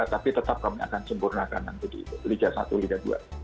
tapi tetap kami akan sempurnakan nanti di liga satu liga dua